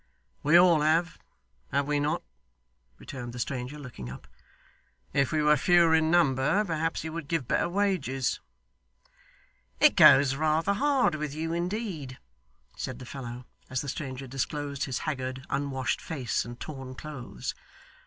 'We all have, have we not?' returned the stranger, looking up. 'If we were fewer in number, perhaps he would give better wages.' 'It goes rather hard with you, indeed,' said the fellow, as the stranger disclosed his haggard unwashed face, and torn clothes.